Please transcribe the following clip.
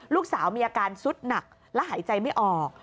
ลูกสาวมีอาการสุดหนักและหายใจไม่ออก